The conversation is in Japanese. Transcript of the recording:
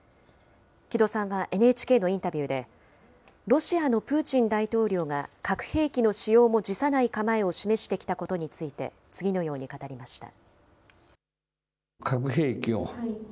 木戸さんはＮＨＫのインタビューで、ロシアのプーチン大統領が核兵器の使用も辞さない構えを示してきたことについて、次のように語りました。